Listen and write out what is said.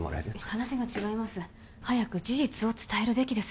話が違います早く事実を伝えるべきです